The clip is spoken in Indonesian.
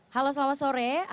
halo selamat sore